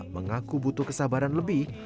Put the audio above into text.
mengaku butuh kesabaran lebih